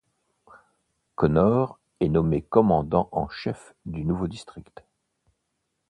Connor est nommé commandant en chef du nouveau district.